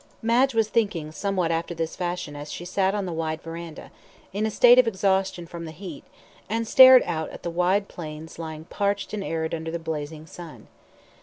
Madge was thinking somewhat after this fashion as she sat on the wide verandah, in a state of exhaustion from the heat, and stared out at the wide plains lying parched and arid under the blazing sun.